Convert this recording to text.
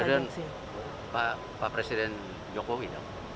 presiden pak presiden jokowi